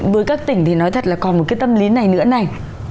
với các tỉnh thì nói thật là còn một cái tâm lý này nữa này